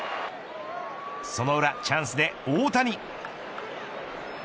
その裏、チャンスで大谷。